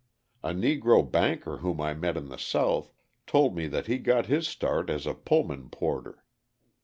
A Negro banker whom I met in the South told me that he got his start as a Pullman porter.